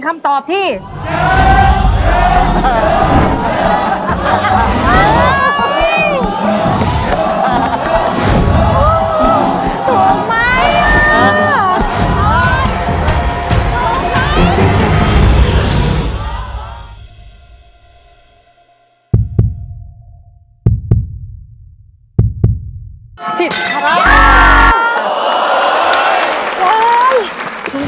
เชิงเชิงเชิงเชิง